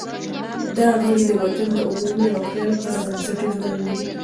دا غړي د بدن د عمومي روغتیا لپاره بنسټیز رول لري.